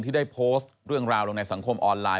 ที่ได้โพสต์เรื่องราวลงในสังคมออนไลน